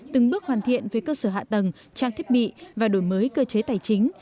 từng bước hoàn thiện về cơ sở hạ tầng trang thiết bị và đổi mới cơ chế tài chính